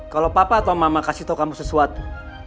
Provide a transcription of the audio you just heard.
kalo papa atau mama kasih tau kamu sesuatu